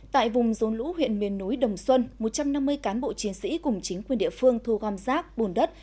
tại vùng rốn lũ huyện miền núi đồng xuân một trăm năm mươi cán bộ chiến sĩ cùng chính quyền địa phương thu gom rác bùn đất